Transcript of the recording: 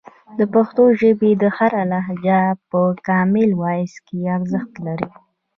د پښتو ژبې هره لهجه په کامن وایس کې ارزښت لري.